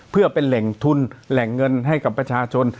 เพื่อเป็นแหล่งทุนแหล่งเงินให้กับประชาชน